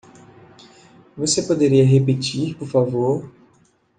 Você poderia repetir por favor?